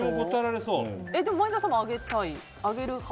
でも前田さんもあげる派？